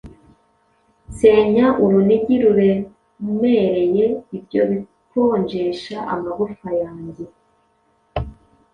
Senya urunigi ruremereye, Ibyo bikonjesha amagufwa yanjye!